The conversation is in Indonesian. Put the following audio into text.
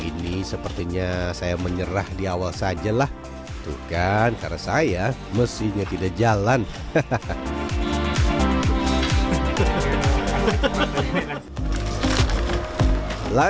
ini sepertinya saya menyerah diawal sajalah tuh kan karena saya mesinnya tidak jalan hahaha